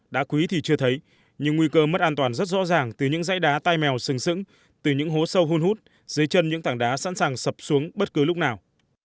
đá quý thì chưa thấy nhưng nguy cơ mất an toàn rất rõ ràng từ những dãy đá tai mèo sừng sững từ những hố sâu hôn hút dưới chân những tảng đá sẵn sàng sập xuống bất cứ lúc nào